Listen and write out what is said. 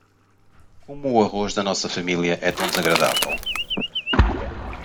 Como o arroz da nossa família é tão desagradável?